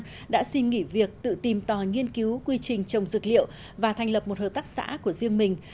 tỉnh hà giang đã xin nghỉ việc tự tìm tòi nghiên cứu quy trình trồng dược liệu và thành lập một hợp tác xã của riêng mình